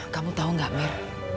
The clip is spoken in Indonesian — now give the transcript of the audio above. kamu tahu nggak mir